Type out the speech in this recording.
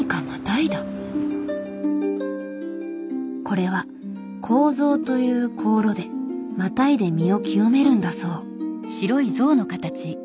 これは「香象」という香炉でまたいで身を清めるんだそう。